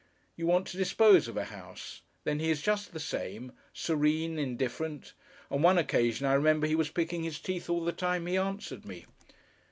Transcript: You want to dispose of a house; then he is just the same, serene, indifferent on one occasion I remember he was picking his teeth all the time he answered me.